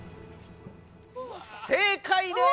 正解です！